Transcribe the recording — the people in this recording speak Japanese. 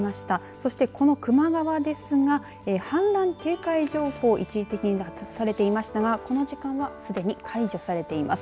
そして、この球磨川ですが氾濫警戒情報一時的に出されていましたがこの時間はすでに解除されています。